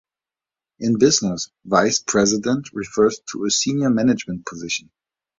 In business, "vice president" refers to a senior management position.